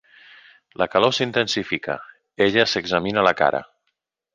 La calor s'intensifica; ella s'examina la cara.